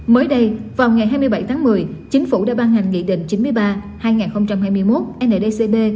mới đây vào ngày hai mươi bảy tháng một mươi chính phủ đã ban hành nghị định chín mươi ba hai nghìn hai mươi một ndcb